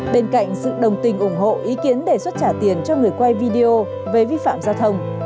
bên cạnh sự đồng tình ủng hộ ý kiến đề xuất trả tiền cho người quay video về vi phạm giao thông